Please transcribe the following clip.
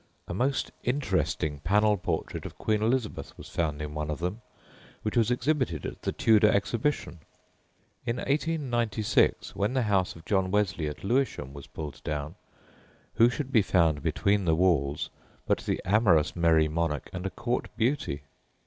A most interesting panel portrait of Queen Elizabeth was found in one of them, which was exhibited at the Tudor Exhibition. In 1896, when the house of John Wesley at Lewisham was pulled down, who should be found between the walls but the amorous Merry Monarch and a court beauty!